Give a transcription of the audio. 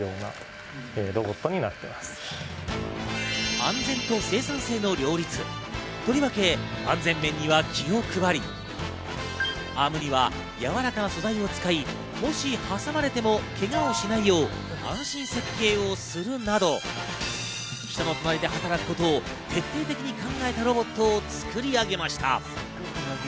安全と生産性の両立、とりわけ安全面には気を配り、アームにはやわらかな素材を使い、もし挟まれてもけがをしないよう安心設計をするなど、人の隣で働くことを徹底的に考えたロボットを作り上げました。